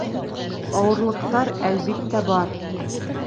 Ауырлыҡтар, әлбиттә, бар.